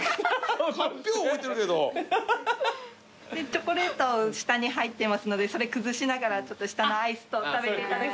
チョコレート下に入ってますのでそれ崩しながら下のアイスと食べていただけると。